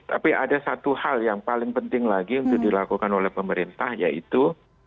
tapi ada satu hal yang paling penting lagi untuk dilakukan oleh pemerintah yaitu